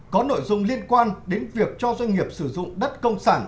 có nội dung liên quan đến việc cho doanh nghiệp sử dụng đất công sản